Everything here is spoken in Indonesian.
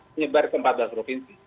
menyebar ke empat belas provinsi